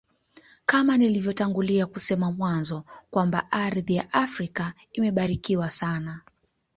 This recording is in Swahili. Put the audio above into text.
Kama nilivyotanguliza kusema mwanzo Kwamba ardhi ya Afrika imebarikiwa sana